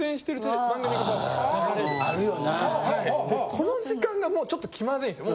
この時間がもうちょっと気まずいんですよ。